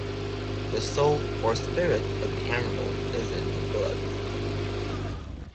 The soul or spirit of the animal is in the blood.